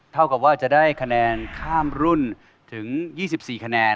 ถ้าพร้อมแล้วขอเชิญพบกับคุณลูกบาท